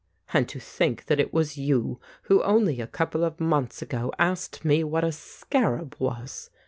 "And to think that it was you who only a couple of months ago asked me what a scarab was